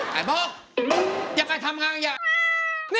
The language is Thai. ใครบอกอยากการทำงานอย่างนี้